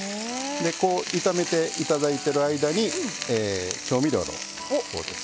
こう炒めて頂いてる間に調味料のほうです。